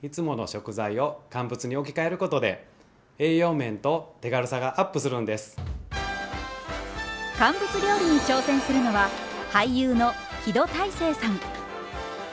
肉や魚など乾物料理に挑戦するのは俳優の木戸大聖さん。